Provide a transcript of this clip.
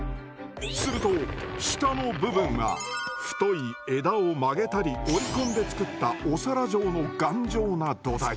すると下の部分は太い枝を曲げたり折り込んで作ったお皿状の頑丈な土台。